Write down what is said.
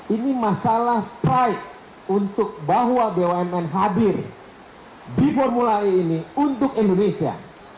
ini masalah pride untuk bahwa bumn hadir di formula e ini untuk indonesia